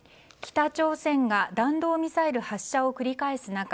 北朝鮮が弾道ミサイル発射を繰り返す中